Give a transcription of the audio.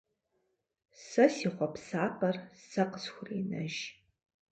Сэ си хъуэпсапӏэр сэ къысхуренэж!